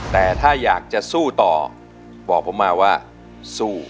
แต่ถ้าอยากจะสู้ต่อบอกผมมาว่าสู้